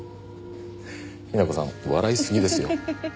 雛子さん笑いすぎですよ。